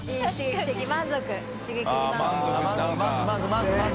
まずまず。